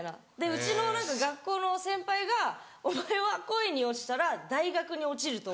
うちの学校の先輩が「お前は恋に落ちたら大学に落ちると思え」。